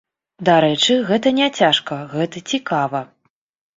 Дарэчы, гэта не цяжка, гэта цікава.